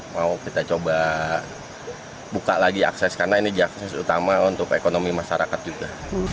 mau kita coba buka lagi akses karena ini akses utama untuk ekonomi masyarakat juga